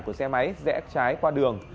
của xe máy rẽ trái qua đường